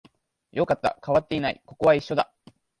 よかった、変わっていない、ここは一緒だ